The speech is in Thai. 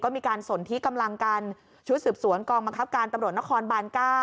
มีการสนที่กำลังกันชุดสืบสวนกองบังคับการตำรวจนครบาน๙